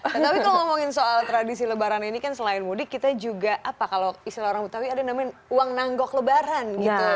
tapi kalau ngomongin soal tradisi lebaran ini kan selain mudik kita juga apa kalau istilah orang betawi ada namanya uang nanggok lebaran gitu